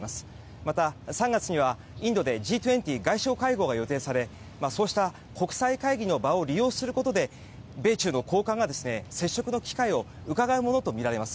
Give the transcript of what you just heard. また３月にはＧ２０外相会合が予定されそうした国際会議の場を利用することで米中の高官が接触の機会をうかがうものとみられます。